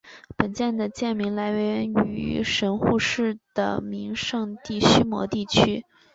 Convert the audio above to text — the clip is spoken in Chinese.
本舰的舰名来源于神户市的名胜地须磨地区。